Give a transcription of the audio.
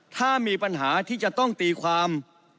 ถ้ามีปัญหาที่จะต้องตีความ